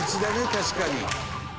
確かに。